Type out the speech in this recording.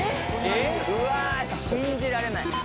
うわ信じられない。